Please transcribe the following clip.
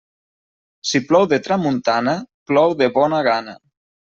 Si plou de tramuntana, plou de bona gana.